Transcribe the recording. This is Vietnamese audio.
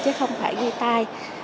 chứ không phải ghi tay